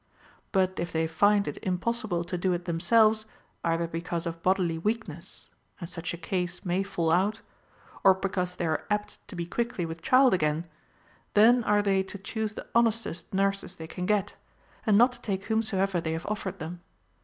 But if they find it impossible to do it themselves, either because of bodily weakness (and such a case may fall out), or because they are apt to be quickly with child again, then are they to chose the honestest nurses they can get, and not to take whomsoever they have offered them.